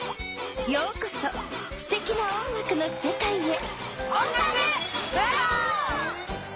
ようこそすてきな音楽のせかいへ！